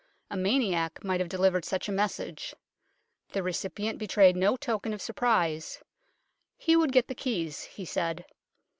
A maniac might have delivered such a message. The recipient betrayed no token of surprise. He would get the keys, he said.